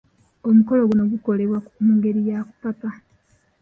Omukolo guno gukolebwa mu ngeri ya kupapa.